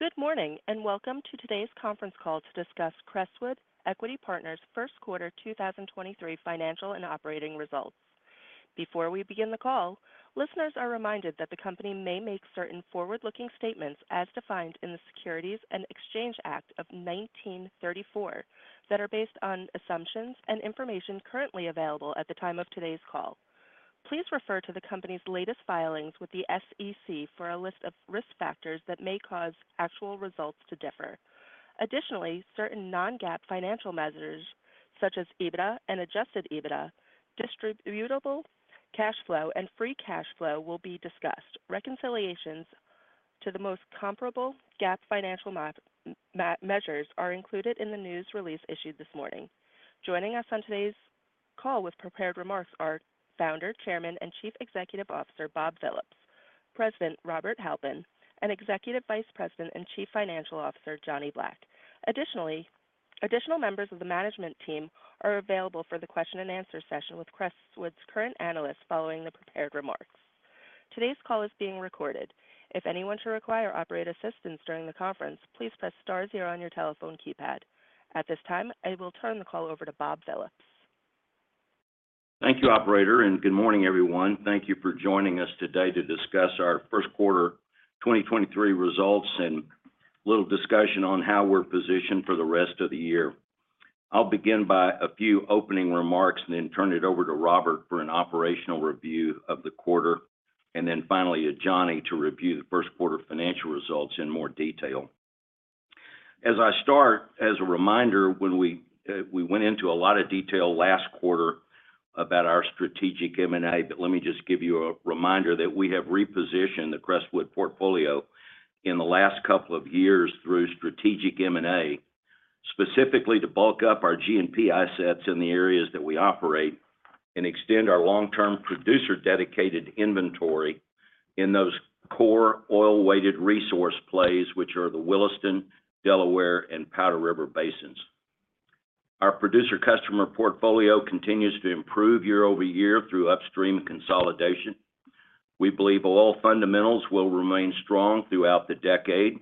Good morning, and welcome to today's Conference Call to discuss Crestwood Equity Partners' Q1 2023 financial and operating results. Before we begin the call, listeners are reminded that the company may make certain forward-looking statements as defined in the Securities Exchange Act of 1934 that are based on assumptions and information currently available at the time of today's call. Please refer to the company's latest filings with the SEC for a list of risk factors that may cause actual results to differ. Additionally, certain non-GAAP financial measures such as EBITDA and adjusted EBITDA, distributable cash flow, and free cash flow will be discussed. Reconciliations to the most comparable GAAP financial measures are included in the news release issued this morning. Joining us on today's call with prepared remarks are Founder, Chairman, and Chief Executive Officer, Bob Phillips, President, Robert Halpin, and Executive Vice President and Chief Financial Officer, Johnny Black. Additionally, additional members of the management team are available for the questionand answer session with Crestwood's current analysts following the prepared remarks. Today's call is being recorded. If anyone should require operator assistance during the conference, please press star zero on your telephone keypad. At this time, I will turn the call over to Bob Phillips. Thank you, operator, and good morning, everyone. Thank you for joining us today to discuss our Q1 2023 results and a little discussion on how we're positioned for the rest of the year. I'll begin by a few opening remarks and then turn it over to Robert for an operational review of the quarter, and then finally to Johnny to review the Q1 financial results in more detail. As I start, as a reminder, when we went into a lot of detail last quarter about our strategic M&A, let me just give you a reminder that we have repositioned the Crestwood portfolio in the last couple of years through strategic M&A, specifically to bulk up our G&P assets in the areas that we operate and extend our long-term producer dedicated inventory in those core oil-weighted resource plays, which are the Williston, Delaware, and Powder River basins. Our producer customer portfolio continues to improve year-over-year through upstream consolidation. We believe oil fundamentals will remain strong throughout the decade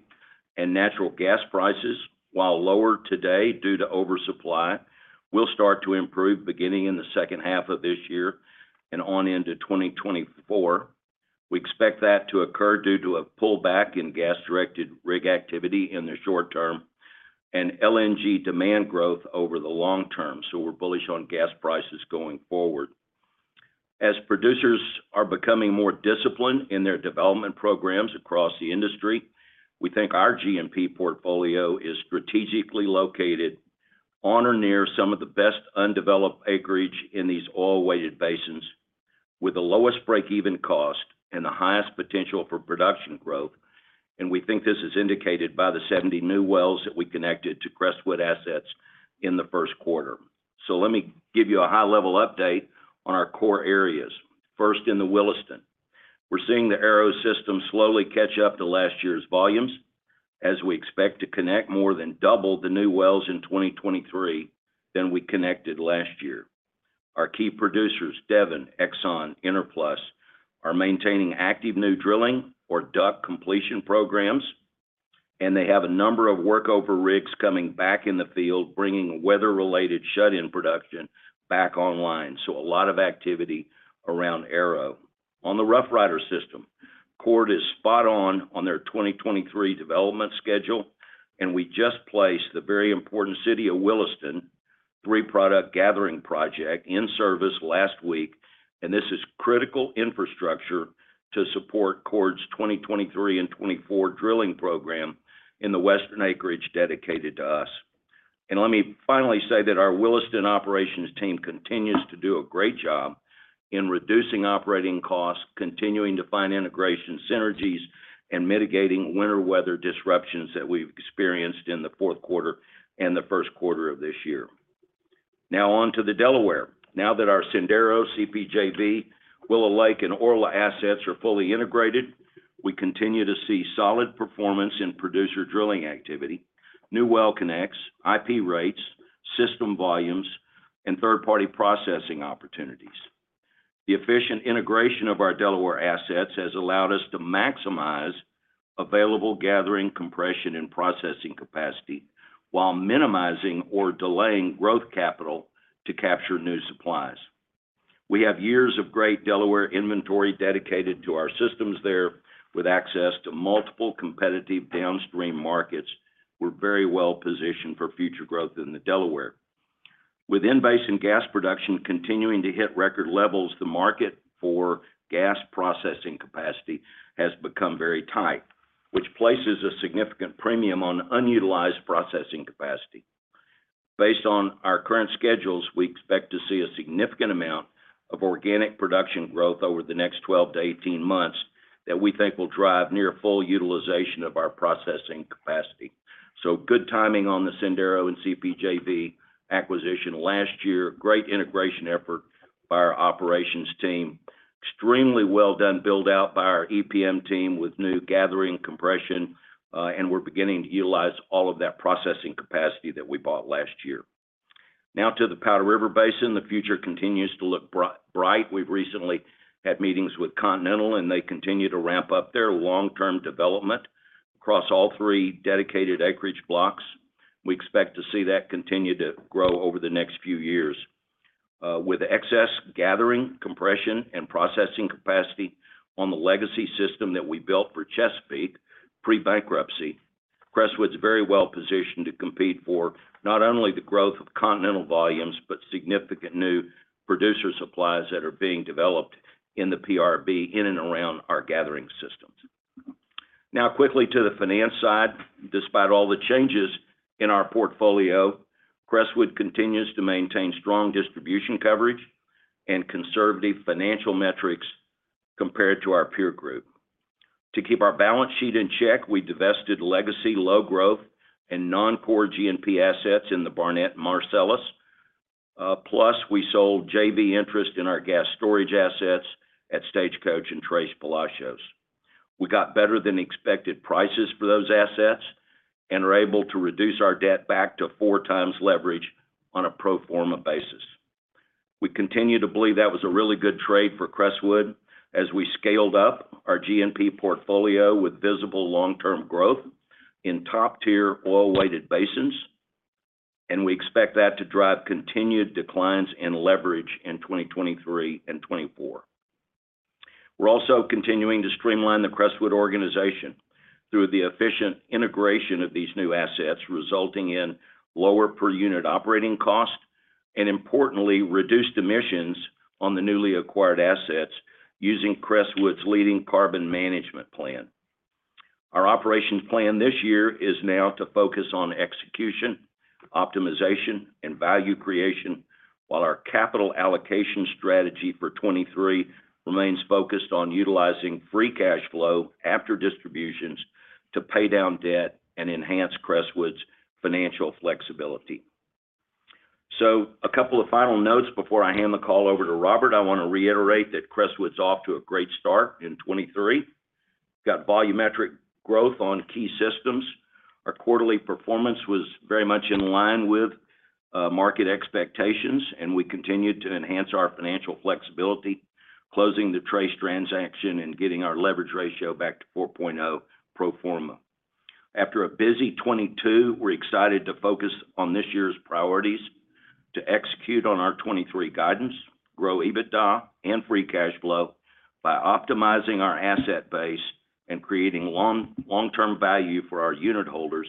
and natural gas prices, while lower today due to oversupply, will start to improve beginning in the second half of this year and on into 2024. We expect that to occur due to a pullback in gas-directed rig activity in the short term and LNG demand growth over the long term. We're bullish on gas prices going forward. As producers are becoming more disciplined in their development programs across the industry, we think our G&P portfolio is strategically located on or near some of the best undeveloped acreage in these oil-weighted basins with the lowest break-even cost and the highest potential for production growth. We think this is indicated by the 70 new wells that we connected to Crestwood assets in the Q1. Let me give you a high-level update on our core areas. First, in the Williston. We're seeing the Arrow system slowly catch up to last year's volumes as we expect to connect more than double the new wells in 2023 than we connected last year. Our key producers, Devon, Exxon, Enerplus, are maintaining active new drilling or DUC completion programs, and they have a number of workover rigs coming back in the field, bringing weather-related shut-in production back online. A lot of activity around Arrow. On the Rough Rider system, Chord is spot on on their 2023 development schedule, and we just placed the very important City of Williston three product gathering project in service last week. This is critical infrastructure to support Chord's 2023 and 2024 drilling program in the Western acreage dedicated to us. Let me finally say that our Williston operations team continues to do a great job in reducing operating costs, continuing to find integration synergies, and mitigating winter weather disruptions that we've experienced in the Q4 and the Q1 of this year. On to the Delaware. Now that our Sendero CPJV, Willow Lake, and Orla assets are fully integrated, we continue to see solid performance in producer drilling activity, new well connects, IP rates, system volumes, and third-party processing opportunities. The efficient integration of our Delaware assets has allowed us to maximize available gathering, compression, and processing capacity while minimizing or delaying growth capital to capture new supplies. We have years of great Delaware inventory dedicated to our systems there with access to multiple competitive downstream markets. We're very well positioned for future growth in the Delaware. With in-basin gas production continuing to hit record levels, the market for gas processing capacity has become very tight, which places a significant premium on unutilized processing capacity. Based on our current schedules, we expect to see a significant amount of organic production growth over the next 12-18 months that we think will drive near full utilization of our processing capacity. Good timing on the Sendero and CPJV acquisition last year. Great integration effort by our operations team. Extremely well done build out by our EPM team with new gathering compression, and we're beginning to utilize all of that processing capacity that we bought last year. Now to the Powder River Basin, the future continues to look bright. We've recently had meetings with Continental, and they continue to ramp up their long-term development across all 3 dedicated acreage blocks. We expect to see that continue to grow over the next few years. With excess gathering, compression, and processing capacity on the legacy system that we built for Chesapeake pre-bankruptcy, Crestwood's very well positioned to compete for not only the growth of Continental volumes, but significant new producer supplies that are being developed in the PRB in and around our gathering systems. Quickly to the finance side. Despite all the changes in our portfolio, Crestwood continues to maintain strong distribution coverage and conservative financial metrics compared to our peer group. To keep our balance sheet in check, we divested legacy low growth and non-core G&P assets in the Barnett Marcellus. We sold JV interest in our gas storage assets at Stagecoach and Tres Palacios. We got better than expected prices for those assets and were able to reduce our debt back to 4 times leverage on a pro forma basis. We continue to believe that was a really good trade for Crestwood as we scaled up our G&P portfolio with visible long-term growth in top-tier oil-weighted basins. We expect that to drive continued declines in leverage in 2023 and 2024. We're also continuing to streamline the Crestwood organization through the efficient integration of these new assets, resulting in lower per unit operating costs and, importantly, reduced emissions on the newly acquired assets using Crestwood's leading carbon management plan. Our operations plan this year is now to focus on execution, optimization, and value creation while our capital allocation strategy for 2023 remains focused on utilizing free cash flow after distributions to pay down debt and enhance Crestwood's financial flexibility. A couple of final notes before I hand the call over to Robert. I want to reiterate that Crestwood's off to a great start in 2023. Got volumetric growth on key systems. Our quarterly performance was very much in line with market expectations, and we continued to enhance our financial flexibility, closing the Tres Palacios transaction and getting our leverage ratio back to 4.0 pro forma. After a busy 2022, we're excited to focus on this year's priorities to execute on our 2023 guidance, grow EBITDA and free cash flow by optimizing our asset base and creating long-term value for our unit holders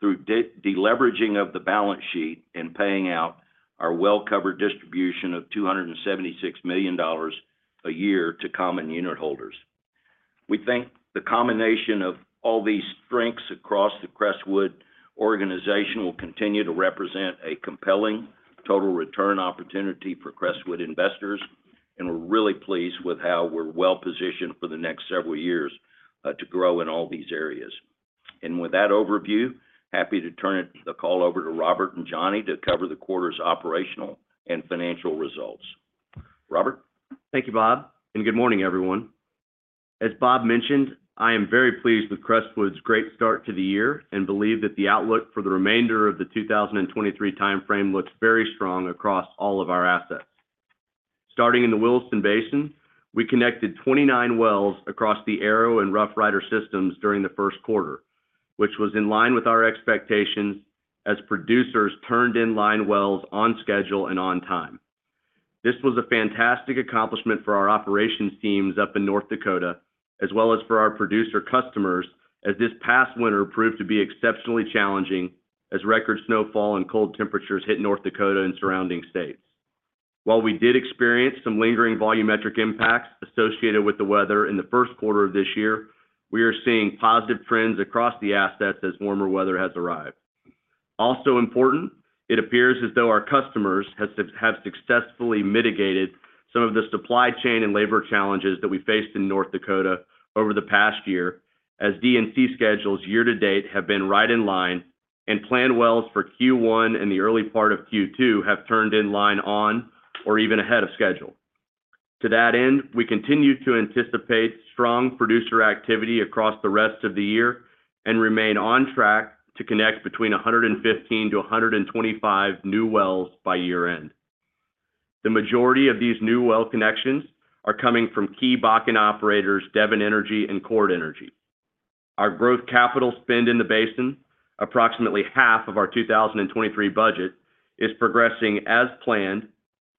through deleveraging of the balance sheet and paying out our well covered distribution of $276 million a year to common unit holders. We think the combination of all these strengths across the Crestwood organization will continue to represent a compelling total return opportunity for Crestwood investors. We're really pleased with how we're well-positioned for the next several years to grow in all these areas. With that overview, happy to turn the call over to Robert and Johnny to cover the quarter's operational and financial results. Robert? Thank you, Bob. Good morning, everyone. As Bob mentioned, I am very pleased with Crestwood's great start to the year and believe that the outlook for the remainder of the 2023 timeframe looks very strong across all of our assets. Starting in the Williston Basin, we connected 29 wells across the Arrow and Rough Rider systems during the Q1, which was in line with our expectations as producers turned in line wells on schedule and on time. This was a fantastic accomplishment for our operations teams up in North Dakota as well as for our producer customers as this past winter proved to be exceptionally challenging as record snowfall and cold temperatures hit North Dakota and surrounding states. While we did experience some lingering volumetric impacts associated with the weather in the Q1 of this year, we are seeing positive trends across the assets as warmer weather has arrived. Also important, it appears as though our customers have successfully mitigated some of the supply chain and labor challenges that we faced in North Dakota over the past year as D and C schedules year to date have been right in line and planned wells for Q1 and the early part of Q2 have turned in line on or even ahead of schedule. To that end, we continue to anticipate strong producer activity across the rest of the year and remain on track to connect between 115 to 125 new wells by year-end. The majority of these new well connections are coming from key Bakken operators, Devon Energy and Chord Energy. Our growth capital spend in the basin, approximately half of our 2023 budget, is progressing as planned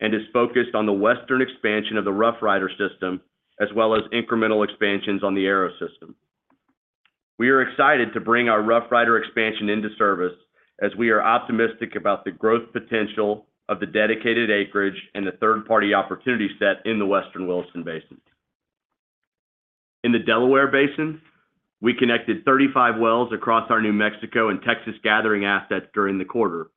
and is focused on the western expansion of the Rough Rider system as well as incremental expansions on the Arrow system. We are excited to bring our Rough Rider expansion into service as we are optimistic about the growth potential of the dedicated acreage and the third-party opportunity set in the western Williston Basin. In the Delaware Basin, we connected 35 wells across our New Mexico and Texas gathering assets during the quarter,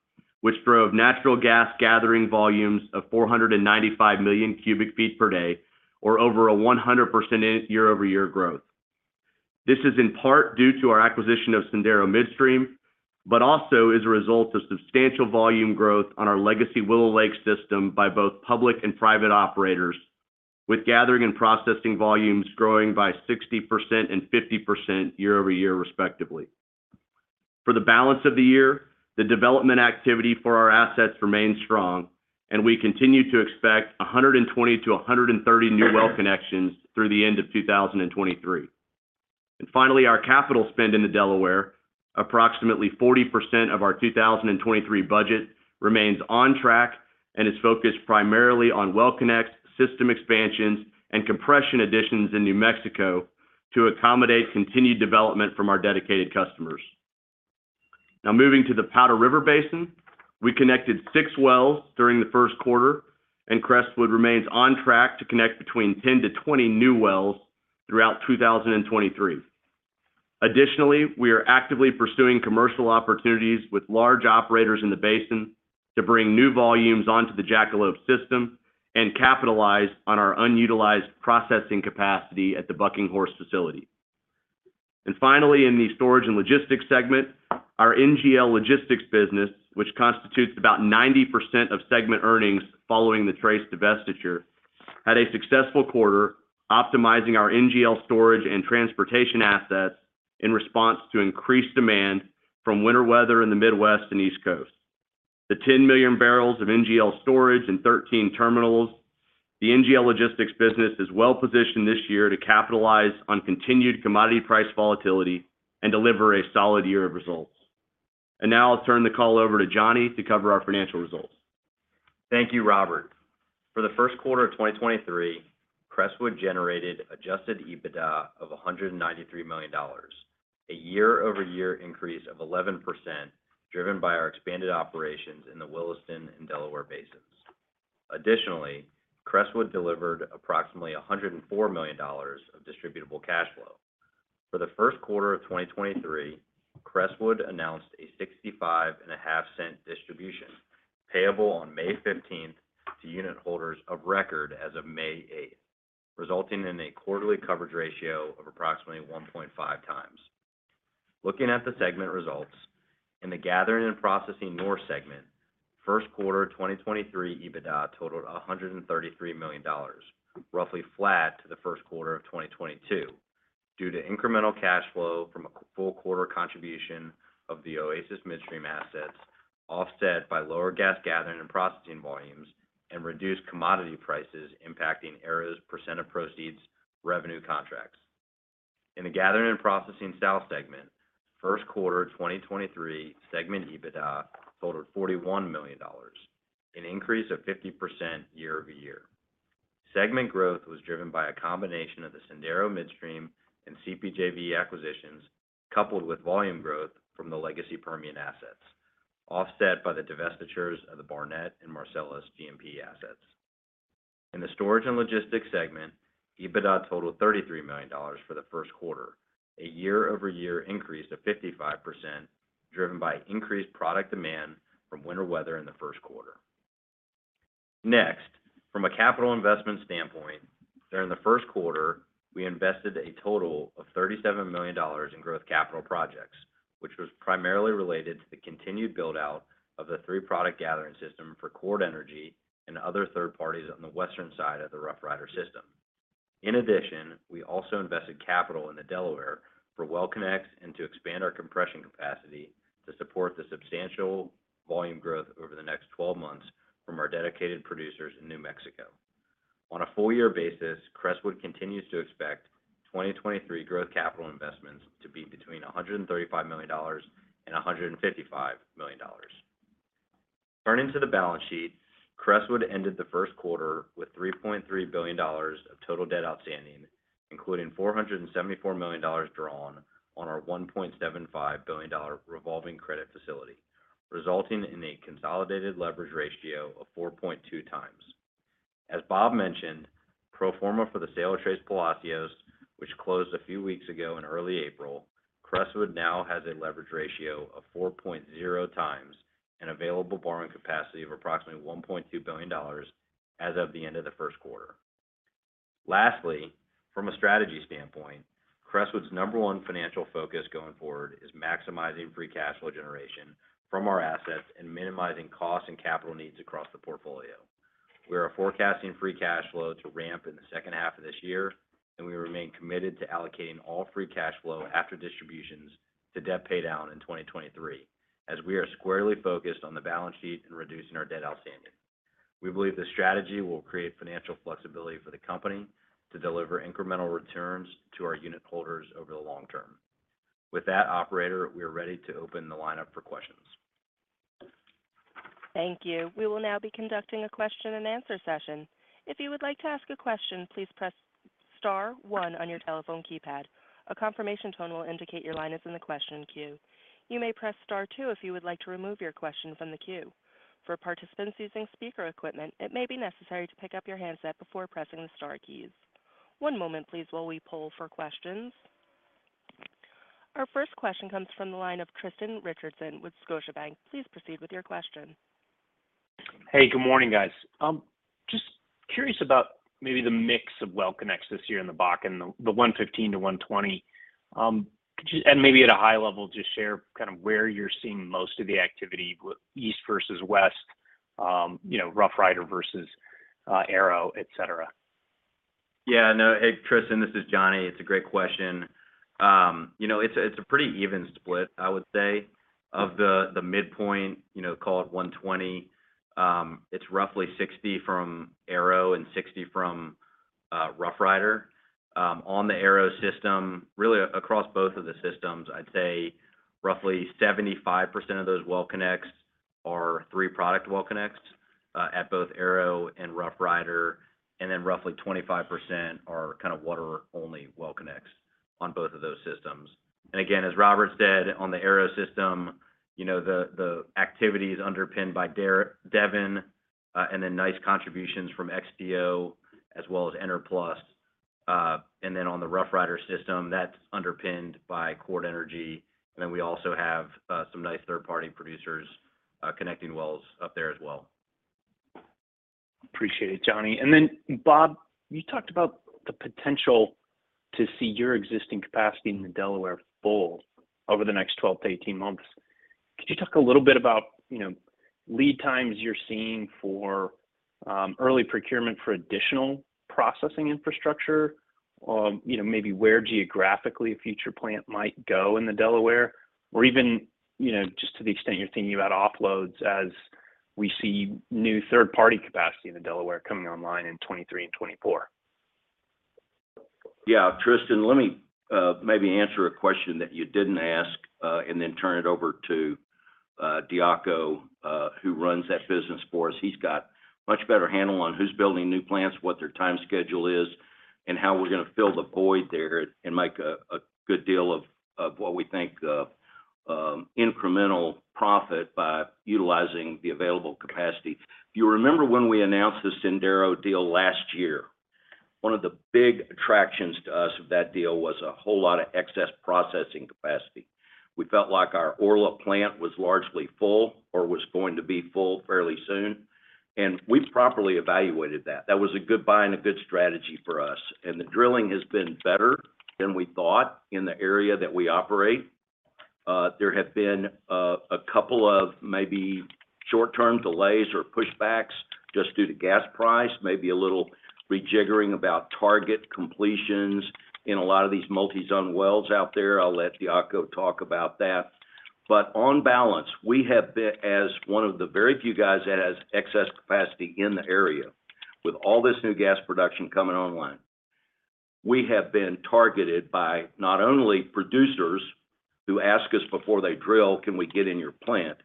which drove natural gas gathering volumes of 495 million cubic feet per day or over a 100% year-over-year growth. This is in part due to our acquisition of Sendero Midstream, but also as a result of substantial volume growth on our legacy Willow Lake system by both public and private operators. With gathering and processing volumes growing by 60% and 50% year-over-year, respectively. For the balance of the year, the development activity for our assets remains strong, and we continue to expect 120 to 130 new well connections through the end of 2023. Finally, our capital spend in the Delaware, approximately 40% of our 2023 budget remains on track and is focused primarily on well connects, system expansions, and compression additions in New Mexico to accommodate continued development from our dedicated customers. Now moving to the Powder River Basin, we connected 6 wells during the Q1, and Crestwood remains on track to connect between 10-20 new wells throughout 2023. Additionally, we are actively pursuing commercial opportunities with large operators in the basin to bring new volumes onto the Jackalope system and capitalize on our unutilized processing capacity at the Bucking Horse facility. Finally, in the storage and logistics segment, our NGL Logistics business, which constitutes about 90% of segment earnings following the Tres Palacios divestiture, had a successful quarter optimizing our NGL storage and transportation assets in response to increased demand from winter weather in the Midwest and East Coast. The 10 million barrels of NGL storage and 13 terminals, the NGL Logistics business is well positioned this year to capitalize on continued commodity price volatility and deliver a solid year of results. Now I'll turn the call over to Johnny to cover our financial results. Thank you, Robert. For the Q1 of 2023, Crestwood generated adjusted EBITDA of $193 million, a year-over-year increase of 11%, driven by our expanded operations in the Williston and Delaware Basins. Additionally, Crestwood delivered approximately $104 million of distributable cash flow. For the Q1 of 2023, Crestwood announced a $0.655 distribution payable on May 15th to unitholders of record as of May 8th, resulting in a quarterly coverage ratio of approximately 1.5 times. Looking at the segment results, in the Gathering and Processing North segment,Q1 2023 EBITDA totaled $133 million, roughly flat to the Q1 of 2022 due to incremental cash flow from a full quarter contribution of the Oasis Midstream assets, offset by lower gas gathering and processing volumes and reduced commodity prices impacting areas percent-of-proceeds revenue contracts. In the Gathering and Processing South segment, Q1 2023 segment EBITDA totaled $41 million, an increase of 50% year-over-year. Segment growth was driven by a combination of the Sendero Midstream and CPJV acquisitions, coupled with volume growth from the legacy Permian assets, offset by the divestitures of the Barnett and Marcellus G&P assets. In the Storage & Logistics segment, EBITDA totaled $33 million for the Q1, a year-over-year increase of 55%, driven by increased product demand from winter weather in the Q1. From a capital investment standpoint, during the Q1, we invested a total of $37 million in growth capital projects, which was primarily related to the continued build-out of the three-product gathering system for Chord Energy and other third parties on the western side of the Rough Rider system. We also invested capital in the Delaware for well connects and to expand our compression capacity to support the substantial volume growth over the next 12 months from our dedicated producers in New Mexico. On a full year basis, Crestwood continues to expect 2023 growth capital investments to be between $135 million and $155 million. Turning to the balance sheet, Crestwood ended the Q1 with $3.3 billion of total debt outstanding, including $474 million drawn on our $1.75 billion revolving credit facility, resulting in a consolidated leverage ratio of 4.2 times. As Bob mentioned, pro forma for the sale of Tres Palacios, which closed a few weeks ago in early April, Crestwood now has a leverage ratio of 4.0 times and available borrowing capacity of approximately $1.2 billion as of the end of the Q1. Lastly, from a strategy standpoint, Crestwood's number one financial focus going forward is maximizing free cash flow generation from our assets and minimizing costs and capital needs across the portfolio. We are forecasting free cash flow to ramp in the second half of this year, and we remain committed to allocating all free cash flow after distributions to debt paydown in 2023, as we are squarely focused on the balance sheet and reducing our debt outstanding. We believe this strategy will create financial flexibility for the company to deliver incremental returns to our unitholders over the long term. With that, operator, we are ready to open the lineup for questions. Thank you. We will now be conducting a question-and-answer session. If you would like to ask a question, please press star one on your telephone keypad. A confirmation tone will indicate your line is in the question queue. You may press star two if you would like to remove your question from the queue. For participants using speaker equipment, it may be necessary to pick up your handset before pressing the star keys. One moment, please, while we poll for questions. Our first question comes from the line of Tristan Richardson with Scotiabank. Please proceed with your question. Hey, good morning, guys. just curious about maybe the mix of well connects this year in the Bakken, the 115-120? Maybe at a high level, just share kind of where you're seeing most of the activity with East versus West, you know, Rough Rider versus Arrow, et cetera. Yeah. No. Hey, Tristan, this is Johnny. It's a great question. you know, it's a, it's a pretty even split, I would say, of the midpoint, you know, call it 120. It's roughly 60 from Arrow and 60 from Rough Rider. on the Arrow system, really across both of the systems, I'd say roughly 75% of those well connects are three product well connects at both Arrow and Rough Rider, and then roughly 25% are kind of water only well connects on both of those systems. And again, as Robert said on the Arrow system, you know, the activity is underpinned by Devon, and then nice contributions from XTO as well as Enerplus. On the Rough Rider system, that's underpinned by Chord Energy, and then we also have some nice third-party producers connecting wells up there as well. Appreciate it, Johnny. Bob, you talked about the potential to see your existing capacity in the Delaware full over the next 12-18 months. Could you talk a little bit about, you know, lead times you're seeing for early procurement for additional processing infrastructure, you know, maybe where geographically a future plant might go in the Delaware? Or even, you know, just to the extent you're thinking about offloads as we see new third-party capacity in the Delaware coming online in 2023 and 2024. Tristan, let me maybe answer a question that you didn't ask, and then turn it over to Diaco, who runs that business for us. He's got much better handle on who's building new plants, what their time schedule is, and how we're gonna fill the void there and make a good deal of what we think incremental profit by utilizing the available capacity. If you remember when we announced the Sendero deal last year, one of the big attractions to us of that deal was a whole lot of excess processing capacity. We felt like our Orla plant was largely full or was going to be full fairly soon, and we properly evaluated that. That was a good buy and a good strategy for us. The drilling has been better than we thought in the area that we operate. There have been a couple of maybe short-term delays or pushbacks just due to gas price, maybe a little rejiggering about target completions in a lot of these multi-zone wells out there. I'll let Diaco talk about that. On balance, we have been as one of the very few guys that has excess capacity in the area with all this new gas production coming online. We have been targeted by not only producers who ask us before they drill, "Can we get in your plant?"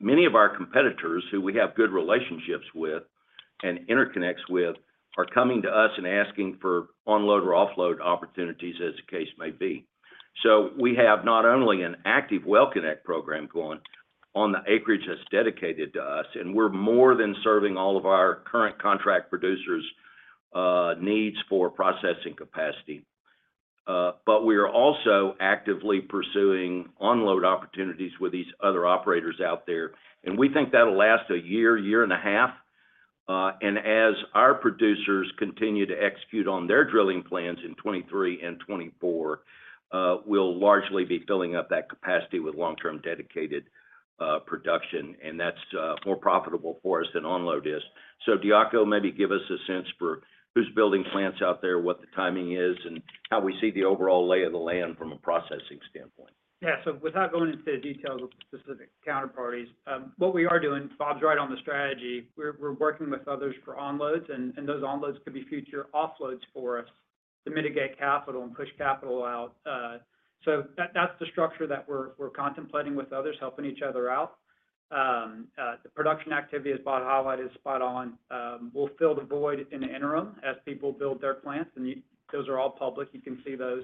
Many of our competitors who we have good relationships with and interconnects with are coming to us and asking for onload or offload opportunities as the case may be. We have not only an active Well Connect Program going on the acreage that's dedicated to us, and we're more than serving all of our current contract producers' needs for processing capacity. We are also actively pursuing onload opportunities with these other operators out there, and we think that'll last a year and a half. As our producers continue to execute on their drilling plans in 2023 and 2024, we'll largely be filling up that capacity with long-term dedicated production, and that's more profitable for us than onload is. Diaco, maybe give us a sense for who's building plants out there, what the timing is, and how we see the overall lay of the land from a processing standpoint. Yeah. Without going into the details of specific counterparties, what we are doing, Bob's right on the strategy. We're working with others for onloads and those onloads could be future offloads for us to mitigate capital and push capital out. That's the structure that we're contemplating with others helping each other out. The production activity, as Bob highlighted, is spot on. We'll fill the void in the interim as people build their plants, those are all public. You can see those.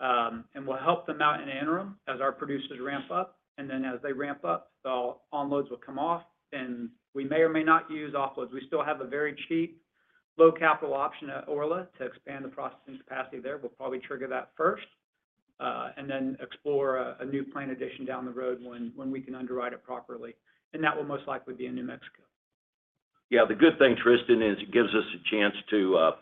We'll help them out in the interim as our producers ramp up, as they ramp up, the onloads will come off and we may or may not use offloads. We still have a very cheap low capital option at Orla to expand the processing capacity there. We'll probably trigger that first, and then explore a new plant addition down the road when we can underwrite it properly, and that will most likely be in New Mexico. Yeah. The good thing, Tristan, is it gives us a chance to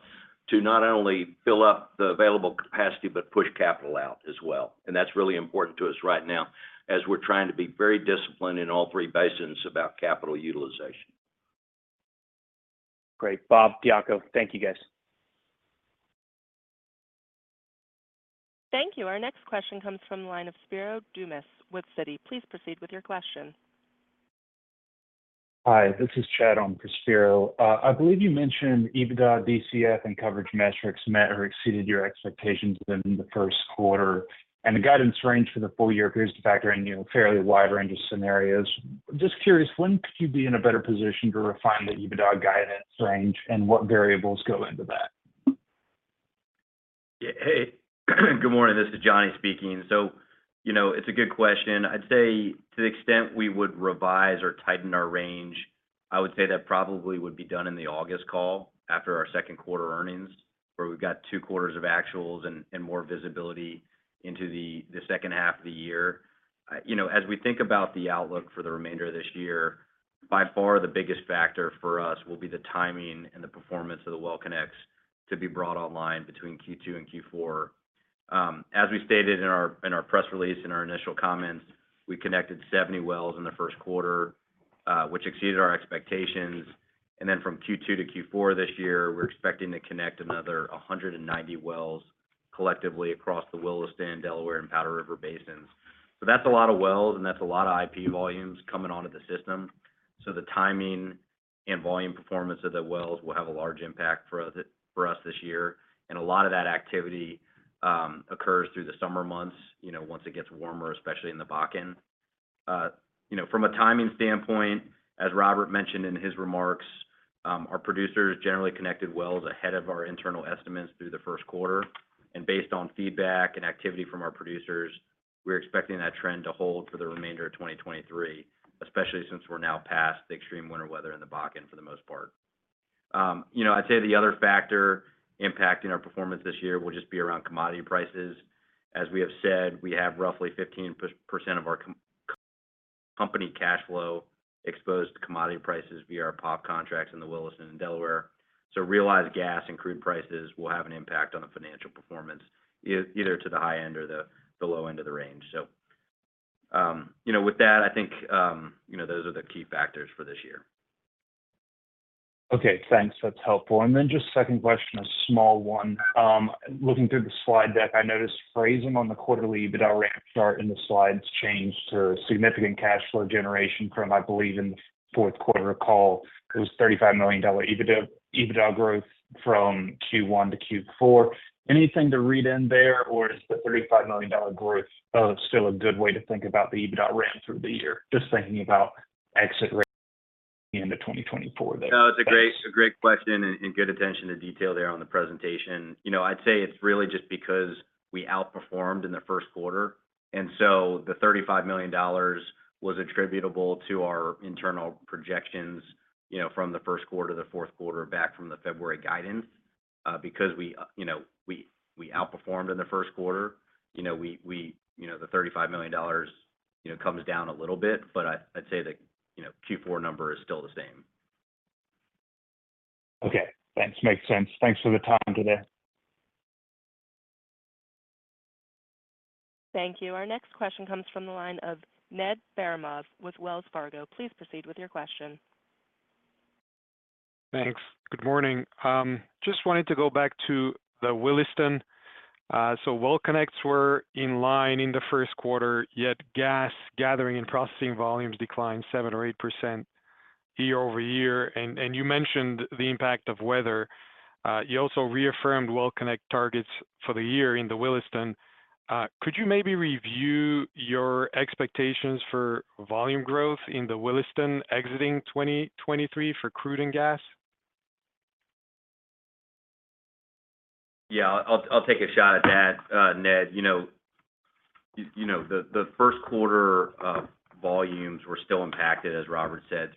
not only fill up the available capacity but push capital out as well. That's really important to us right now as we're trying to be very disciplined in all three basins about capital utilization. Great. Bob, Diaco, thank you, guys. Thank you. Our next question comes from the line of Spiro Dounis with Citi. Please proceed with your question. Hi, this is Chad on for Spiro. I believe you mentioned EBITDA, DCF, and coverage metrics met or exceeded your expectations within the Q1, and the guidance range for the full year appears to factor in, you know, a fairly wide range of scenarios. Just curious, when could you be in a better position to refine the EBITDA guidance range, and what variables go into that? Yeah. Hey, good morning. This is Johnny speaking. You know, it's a good question. I'd say to the extent we would revise or tighten our range, I would say that probably would be done in the August call after our Q2 earnings, where we've got two quarters of actuals and more visibility into the second half of the year. You know, as we think about the outlook for the remainder of this year. By far the biggest factor for us will be the timing and the performance of the well connects to be brought online between Q2 and Q4. As we stated in our press release, in our initial comments, we connected 70 wells in the Q1, which exceeded our expectations. From Q2 to Q4 this year, we're expecting to connect another 190 wells collectively across the Williston, Delaware, and Powder River Basin. That's a lot of wells, and that's a lot of IP volumes coming onto the system. The timing and volume performance of the wells will have a large impact for us this year. A lot of that activity occurs through the summer months, you know, once it gets warmer, especially in the Bakken. You know, from a timing standpoint, as Robert mentioned in his remarks, our producers generally connected wells ahead of our internal estimates through the Q1. Based on feedback and activity from our producers, we're expecting that trend to hold for the remainder of 2023, especially since we're now past the extreme winter weather in the Bakken for the most part. You know, I'd say the other factor impacting our performance this year will just be around commodity prices. As we have said, we have roughly 15% of our company cash flow exposed to commodity prices via our POP contracts in the Williston and Delaware. Realized gas and crude prices will have an impact on the financial performance either to the high end or the low end of the range. With that, I think, you know, those are the key factors for this year. Okay, thanks. That's helpful. Just 2nd question, a small one. Looking through the slide deck, I noticed phrasing on the quarterly EBITDA ramp chart in the slides changed to significant cash flow generation from, I believe, in the Q4 call. It was $35 million EBITDA growth from Q1 to Q4. Anything to read in there, or is the $35 million growth still a good way to think about the EBITDA ramp through the year? Just thinking about exit rates into 2024 there. No, it's a great question and good attention to detail there on the presentation. You know, I'd say it's really just because we outperformed in the Q1. The $35 million was attributable to our internal projections, you know, from the Q1 to the Q4 back from the February guidance. Because we, you know, we outperformed in the Q1, you know, we, you know, the $35 million, you know, comes down a little bit. I'd say the, you know, Q4 number is still the same. Okay. Thanks. Makes sense. Thanks for the time today. Thank you. Our next question comes from the line of Ned Baramov with Wells Fargo. Please proceed with your question. Thanks. Good morning. Just wanted to go back to the Williston. Well connects were in line in the Q1, yet gas gathering and processing volumes declined 7% or 8% year-over-year. You mentioned the impact of weather. You also reaffirmed well connect targets for the year in the Williston. Could you maybe review your expectations for volume growth in the Williston exiting 2023 for crude and gas? I'll take a shot at that, Ned. You know, you know, the Q1, volumes were still impacted, as Robert said,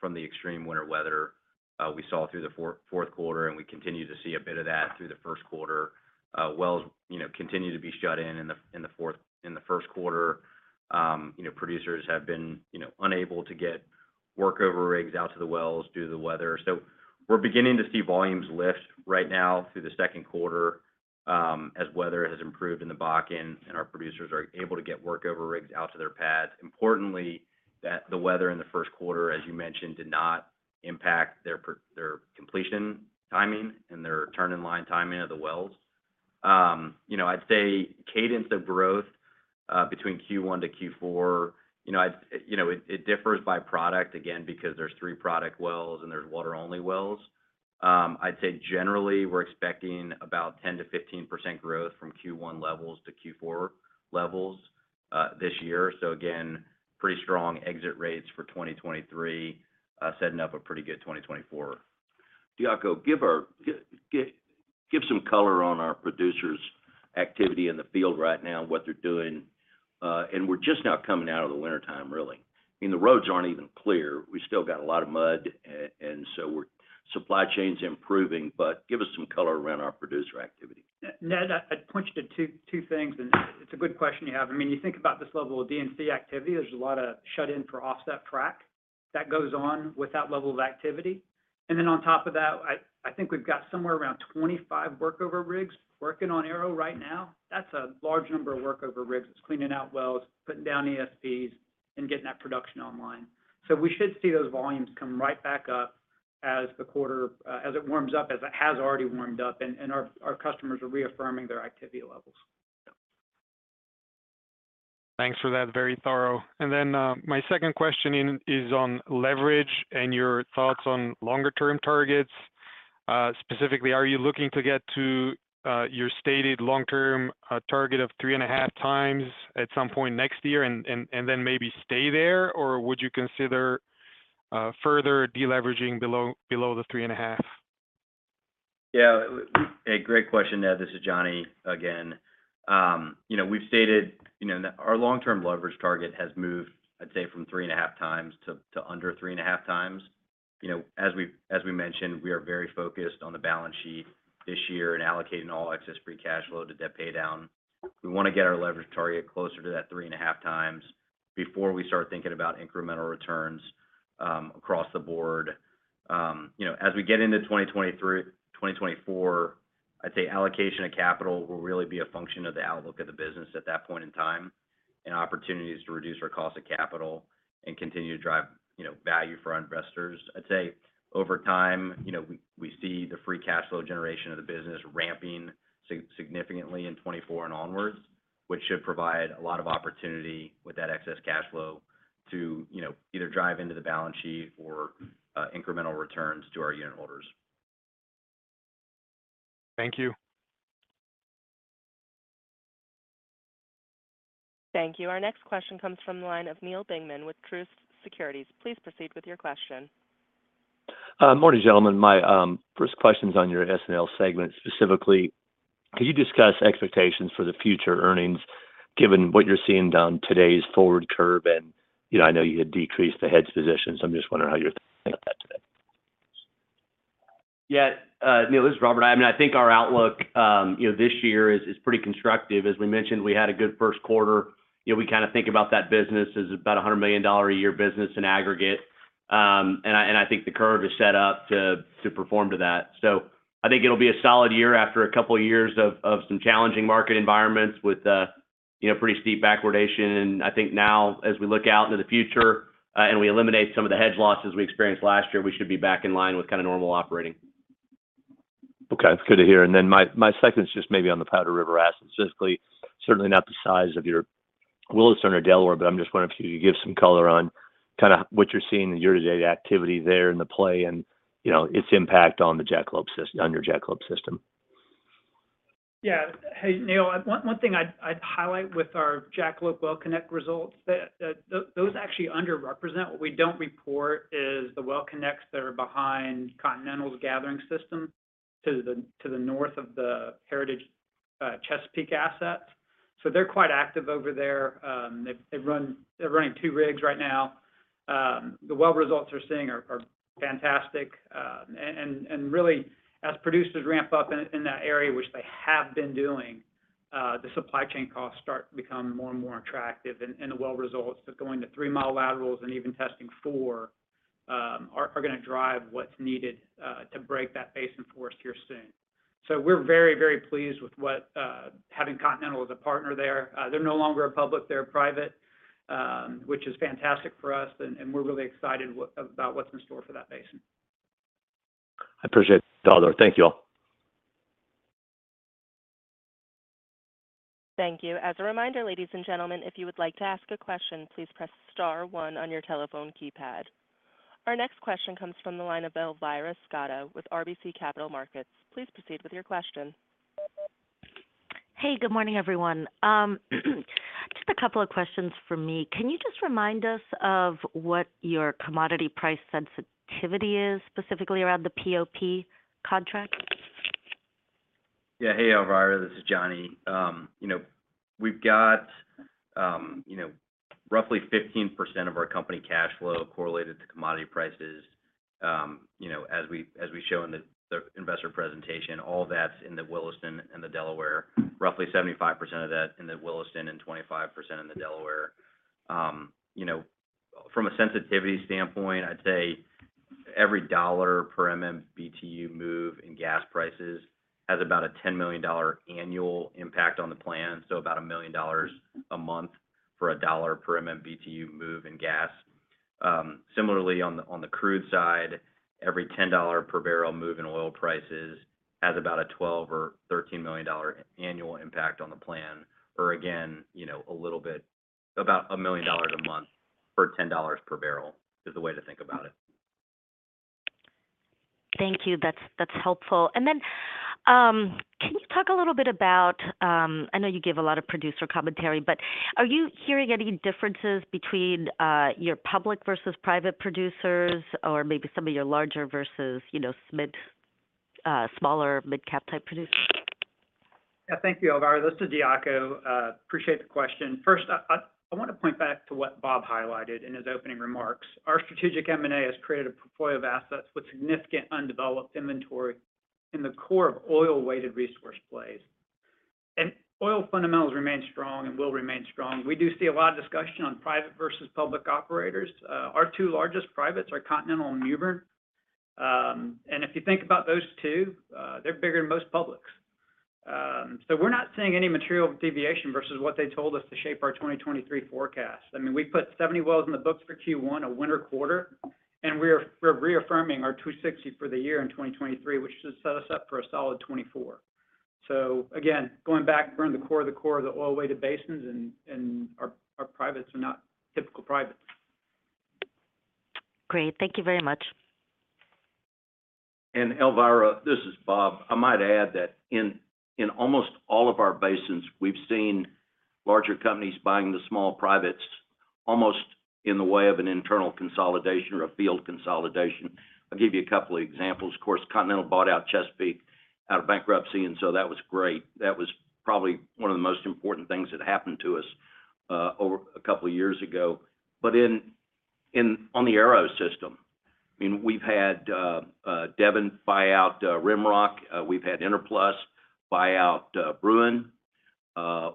from the extreme winter weather, we saw through the Q4, and we continue to see a bit of that through the Q1. Wells, you know, continue to be shut in the Q1. You know, producers have been, you know, unable to get workover rigs out to the wells due to the weather. We're beginning to see volumes lift right now through the Q2, as weather has improved in the Bakken and our producers are able to get workover rigs out to their pads. That the weather in the Q1, as you mentioned, did not impact their completion timing and their turn in line timing of the wells. you know, I'd say cadence of growth between Q1 to Q4, you know, it differs by product again because there's three product wells and there's water only wells. I'd say generally we're expecting about 10%-15% growth from Q1 levels to Q4 levels this year. Again, pretty strong exit rates for 2023, setting up a pretty good 2024. Diaco, give some color on our producers' activity in the field right now and what they're doing. We're just now coming out of the wintertime really. I mean, the roads aren't even clear. We still got a lot of mud and so we're supply chain's improving, but give us some color around our producer activity. Ned, I'd point you to two things. It's a good question you have. I mean, you think about this level of D&C activity, there's a lot of shut in for offset track that goes on with that level of activity. On top of that, I think we've got somewhere around 25 workover rigs working on Arrow right now. That's a large number of workover rigs. It's cleaning out wells, putting down ESPs, and getting that production online. We should see those volumes come right back up as the quarter, as it warms up, as it has already warmed up, and our customers are reaffirming their activity levels. Thanks for that. Very thorough. My second question is on leverage and your thoughts on longer term targets. Specifically, are you looking to get to your stated long-term target of 3.5 times at some point next year and then maybe stay there? Would you consider further deleveraging below the 3.5? Yeah. A great question, Ned. This is Johnny again. you know, we've stated, you know, our long-term leverage target has moved, I'd say from 3.5x to under 3.5x. You know, as we mentioned, we are very focused on the balance sheet this year and allocating all excess free cash flow to debt pay down. We want to get our leverage target closer to that 3.5x before we start thinking about incremental returns across the board. you know, as we get into 2023-2024, I'd say allocation of capital will really be a function of the outlook of the business at that point in time and opportunities to reduce our cost of capital and continue to drive, you know, value for our investors. I'd say over time, you know, we see the free cash flow generation of the business ramping significantly in 2024 and onwards, which should provide a lot of opportunity with that excess cash flow to, you know, either drive into the balance sheet or incremental returns to our unit holders. Thank you. Thank you. Our next question comes from the line of Neal Dingmann with Truist Securities. Please proceed with your question. Morning, gentlemen. My first question is on your S&L segment. Specifically, could you discuss expectations for the future earnings given what you're seeing down today's forward curve? You know, I know you had decreased the hedge position, so I'm just wondering how you're thinking about that today. Yeah. Neal, this is Robert. I mean, I think our outlook, you know, this year is pretty constructive. As we mentioned, we had a good Q1. You know, we kind of think about that business as about a $100 million a year business in aggregate. I, and I think the curve is set up to perform to that. I think it'll be a solid year after a couple years of some challenging market environments with, you know, pretty steep backwardation. I think now as we look out into the future, and we eliminate some of the hedge losses we experienced last year, we should be back in line with kind of normal operating. Okay. That's good to hear. My second is just maybe on the Powder River asset specifically. Certainly not the size of your Williston or Delaware, I'm just wondering if you could give some color on kind of what you're seeing in year-to-date activity there in the play and, you know, its impact on your Jackalope system. Yeah. Hey, Neal, one thing I'd highlight with our Jackalope WellConnect results, those actually underrepresent. What we don't report is the WellConnects that are behind Continental's gathering system to the north of the Heritage Chesapeake asset. They're quite active over there. They're running 2 rigs right now. The well results we're seeing are fantastic. Really as producers ramp up in that area, which they have been doing, the supply chain costs start to become more and more attractive. The well results of going to 3-mile laterals and even testing 4 are gonna drive what's needed to break that basin four stair soon. We're very, very pleased with having Continental as a partner there. They're no longer a public, they're a private, which is fantastic for us and we're really excited about what's in store for that basin. I appreciate it. Thank you all. Thank you. As a reminder, ladies and gentlemen, if you would like to ask a question, please press star one on your telephone keypad. Our next question comes from the line of Elvira Scotto with RBC Capital Markets. Please proceed with your question. Hey, good morning, everyone. Just a couple of questions from me. Can you just remind us of what your commodity price sensitivity is, specifically around the POP contract? Hey, Elvira, this is Johnny. you know, we've got, you know, roughly 15% of our company cash flow correlated to commodity prices. you know, as we show in the investor presentation, all that's in the Williston and the Delaware, roughly 75% of that in the Williston and 25% in the Delaware. you know, from a sensitivity standpoint, I'd say every $ per MMBtu move in gas prices has about a $10 million annual impact on the plan. About a $1 million a month for a $ per MMBtu move in gas. On the crude side, every $10 per barrel move in oil prices has about a $12 million or $13 million annual impact on the plan. again, you know, a little bit about $1 million a month for $10 per barrel is the way to think about it. Thank you. That's helpful. Can you talk a little bit about, I know you give a lot of producer commentary, but are you hearing any differences between your public versus private producers or maybe some of your larger versus, you know, smaller midcap type producers? Yeah, thank you, Elvira. This is Diaco. Appreciate the question. First, I want to point back to what Bob highlighted in his opening remarks. Our strategic M&A has created a portfolio of assets with significant undeveloped inventory in the core of oil-weighted resource plays. Oil fundamentals remain strong and will remain strong. We do see a lot of discussion on private versus public operators. Our two largest privates are Continental and Newbern. If you think about those two, they're bigger than most publics. We're not seeing any material deviation versus what they told us to shape our 2023 forecast. I mean, we put 70 wells in the books for Q1, a winter quarter, and we're reaffirming our 260 for the year in 2023, which should set us up for a solid 2024. Again, going back, we're in the core of the core of the oil-weighted basins, and our privates are not typical privates. Great. Thank you very much. Elvira, this is Bob. I might add that in almost all of our basins, we've seen larger companies buying the small privates almost in the way of an internal consolidation or a field consolidation. I'll give you a couple of examples. Of course, Continental bought out Chesapeake out of bankruptcy, and so that was great. That was probably one of the most important things that happened to us over a couple of years ago. In on the Arrow system, I mean, we've had Devon buy out RimRock. We've had Enerplus buy out Bruin.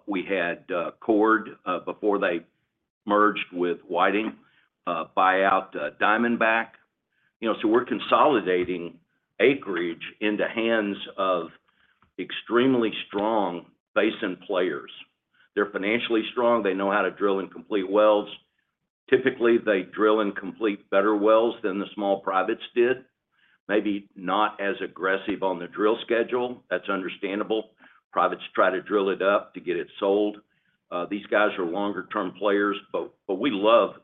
We had Chord before they merged with Whiting buy out Diamondback. You know, so we're consolidating acreage in the hands of extremely strong basin players. They're financially strong. They know how to drill and complete wells. Typically, they drill and complete better wells than the small privates did. Maybe not as aggressive on the drill schedule. That's understandable. Privates try to drill it up to get it sold. These guys are longer term players, but we love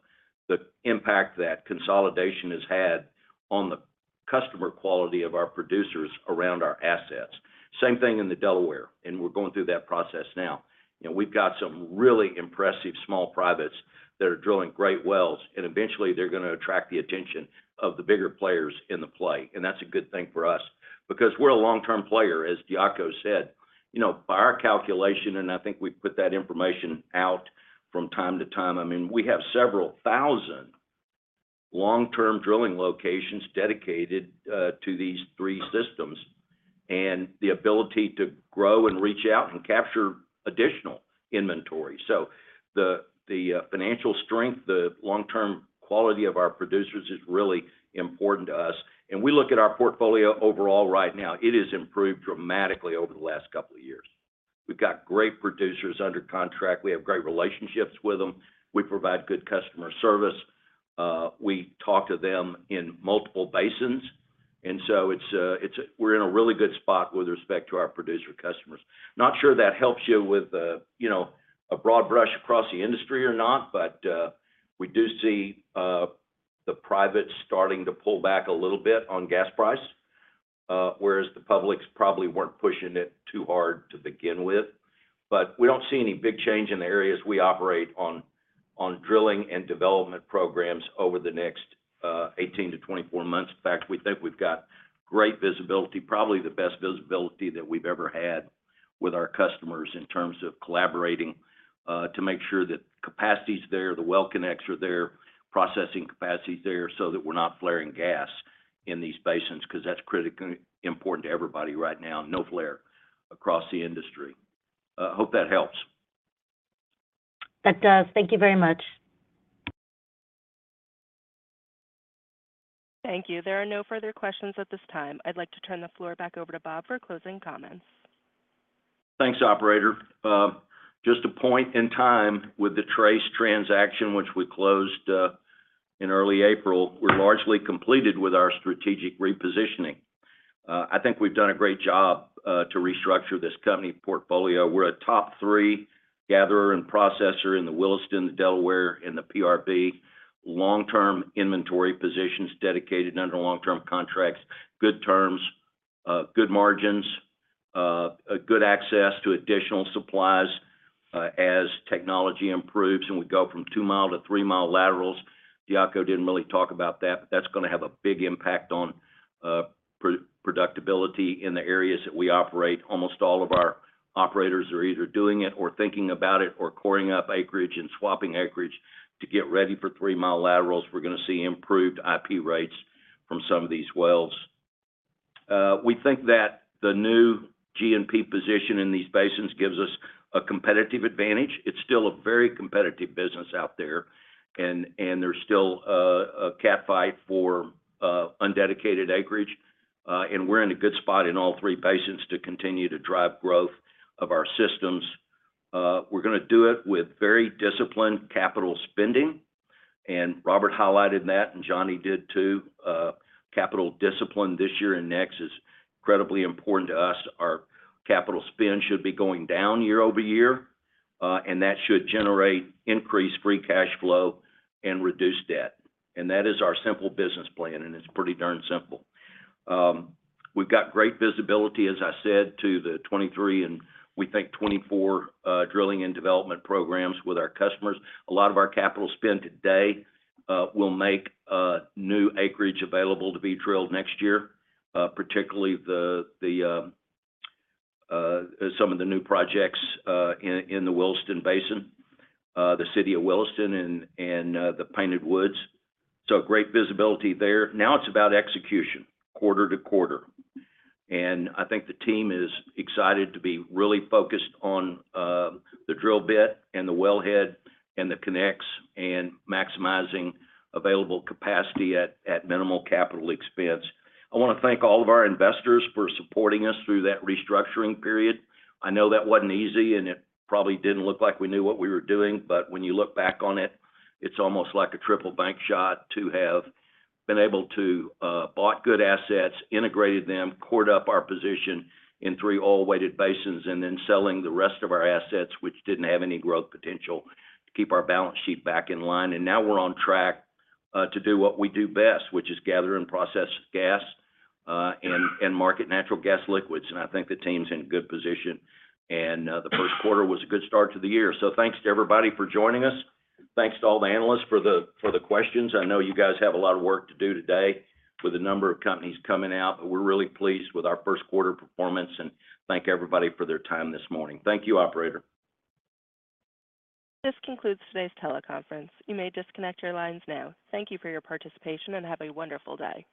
the impact that consolidation has had on the customer quality of our producers around our assets. Same thing in the Delaware. We're going through that process now. You know, we've got some really impressive small privates that are drilling great wells, and eventually they're gonna attract the attention of the bigger players in the play. That's a good thing for us because we're a long-term player, as Diaco said. You know, by our calculation, and I think we've put that information out from time to time, I mean, we have several thousand long-term drilling locations dedicated to these three systems, and the ability to grow and reach out and capture additional inventory. The financial strength, the long-term quality of our producers is really important to us. We look at our portfolio overall right now, it has improved dramatically over the last couple of years. We've got great producers under contract. We have great relationships with them. We provide good customer service. We talk to them in multiple basins, we're in a really good spot with respect to our producer customers. Not sure that helps you with, you know, a broad brush across the industry or not, but, we do see, the privates starting to pull back a little bit on gas price, whereas the publics probably weren't pushing it too hard to begin with. We don't see any big change in the areas we operate on drilling and development programs over the next, 18 to 24 months. In fact, we think we've got great visibility, probably the best visibility that we've ever had with our customers in terms of collaborating, to make sure that capacity's there, the well connects are there, processing capacity's there, so that we're not flaring gas in these basins, 'cause that's critically important to everybody right now, no flare across the industry. Hope that helps. That does. Thank you very much. Thank you. There are no further questions at this time. I'd like to turn the floor back over to Bob for closing comments. Thanks, operator. Just a point in time with the Trace transaction, which we closed in early April, we're largely completed with our strategic repositioning. I think we've done a great job to restructure this company portfolio. We're a top 3 gatherer and processor in the Williston, the Delaware, and the PRB. Long-term inventory positions dedicated under long-term contracts, good terms, good margins, a good access to additional supplies, as technology improves, and we go from 2-mile to 3-mile laterals. Diaco didn't really talk about that, but that's gonna have a big impact on pro-productability in the areas that we operate. Almost all of our operators are either doing it or thinking about it or coring up acreage and swapping acreage to get ready for 3-mile laterals. We're gonna see improved IP rates from some of these wells. We think that the new G&P position in these basins gives us a competitive advantage. It's still a very competitive business out there, and there's still a cat fight for undedicated acreage. We're in a good spot in all three basins to continue to drive growth of our systems. We're gonna do it with very disciplined capital spending, and Robert highlighted that, and Johnny did too. Capital discipline this year and next is incredibly important to us. Our capital spend should be going down year-over-year, and that should generate increased free cash flow and reduce debt. That is our simple business plan, and it's pretty darn simple. We've got great visibility, as I said, to the 2023, and we think 2024 drilling and development programs with our customers. A lot of our capital spend today will make new acreage available to be drilled next year, particularly some of the new projects in the Williston Basin, the city of Williston and the Painted Woods. Great visibility there. Now it's about execution quarter-to-quarter. I think the team is excited to be really focused on the drill bit and the wellhead and the connects and maximizing available capacity at minimal capital expense. I wanna thank all of our investors for supporting us through that restructuring period. I know that wasn't easy, and it probably didn't look like we knew what we were doing, but when you look back on it's almost like a triple bank shot to have been able to bought good assets, integrated them, cored up our position in 3 oil-weighted basins, and then selling the rest of our assets, which didn't have any growth potential, to keep our balance sheet back in line. Now we're on track to do what we do best, which is gather and process gas, and market natural gas liquids. I think the team's in good position, and the Q1 was a good start to the year. Thanks to everybody for joining us. Thanks to all the analysts for the questions. I know you guys have a lot of work to do today with a number of companies coming out, but we're really pleased with our Q1 performance, and thank everybody for their time this morning. Thank you, operator. This concludes today's teleconference. You may disconnect your lines now. Thank you for your participation, and have a wonderful day.